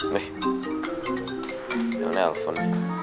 weh jangan telepon